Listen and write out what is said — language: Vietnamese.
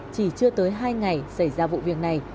chỉ chưa tới hai ngày xảy ra vụ việc này